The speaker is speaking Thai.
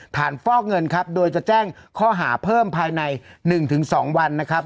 ฐานฟอกเงินครับโดยจะแจ้งข้อหาเพิ่มภายในหนึ่งถึงสองวันนะครับ